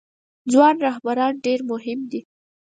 ځوان رهبران ډیر مهم دي